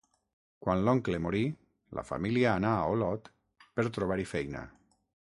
Quan l'oncle morí, la família anà a Olot per trobar-hi feina.